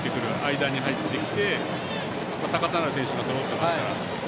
間に入ってきて高さのある選手がそろっていますから。